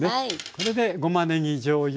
これでごまねぎじょうゆ